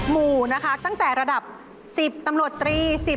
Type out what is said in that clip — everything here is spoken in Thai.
หมู่นะคะตั้งแต่ระดับ๑๐ตำรวจตรี